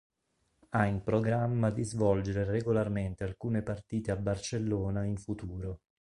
Ha in programma di svolgere regolarmente alcune partite a Barcellona in futuro.